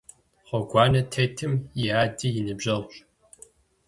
Гъуэгуанэ тетым и ади и ныбжьэгъущ.